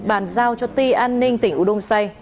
bàn giao cho ti an ninh tỉnh u đông say